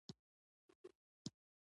احمد نه مې کتاب وغوښت په منډه کې یې راوړ.